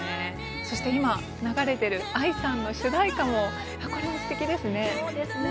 そして今、流れているＡＩさんの主題歌もすてきですね。